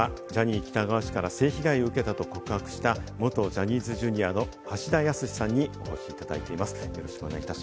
今朝はジャニー喜多川氏から性被害を受けたと告白した元ジャニーズＪｒ．の橋田康さんにスタジオにお越しいただいています。